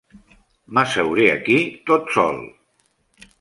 M'asseuré aquí tot sol.